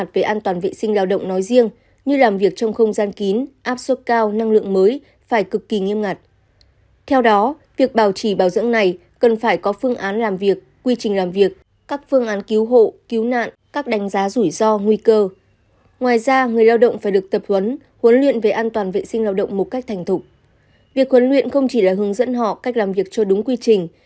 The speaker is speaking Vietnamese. việc huấn luyện không chỉ là hướng dẫn họ cách làm việc cho đúng quy trình